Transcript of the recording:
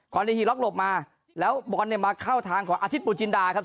ในฮีล็อกหลบมาแล้วบอลเนี่ยมาเข้าทางของอาทิตยปุจินดาครับ